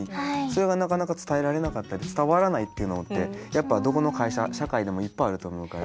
それがなかなか伝えられなかったり伝わらないっていうのってやっぱどこの会社社会でもいっぱいあると思うから。